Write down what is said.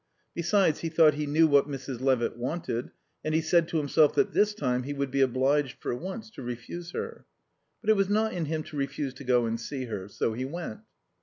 Besides, he thought he knew what Mrs. Levitt wanted, and he said to himself that this time he would be obliged, for once, to refuse her. But it was not in him to refuse to go and see her. So he went.